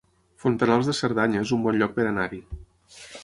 Fontanals de Cerdanya es un bon lloc per anar-hi